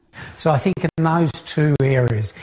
jadi saya pikir di kedua area